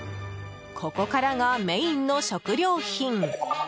ここからがメインの食料品。